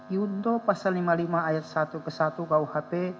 yunto pasal lima puluh lima ayat satu ke satu kuhp